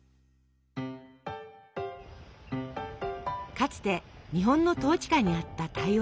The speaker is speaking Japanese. かつて日本の統治下にあった台湾。